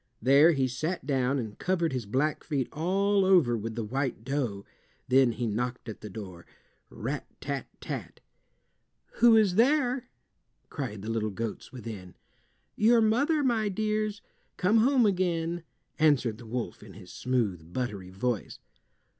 There he sat down and covered his black feet all over with the white dough. Then he knocked at the door—rat tat tat! "Who is there?" cried the little goats within. "Your mother, my dears, come home again," answered the wolf, in his smooth buttery voice.